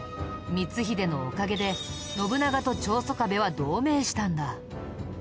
光秀のおかげで信長と長宗我部は同盟したんだ。